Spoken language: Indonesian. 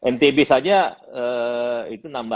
mtb saja itu nambah